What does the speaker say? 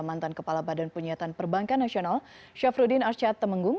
mantan kepala badan penyihatan perbankan nasional syafruddin arsyad temenggung